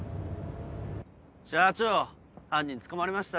社長犯人捕まりました？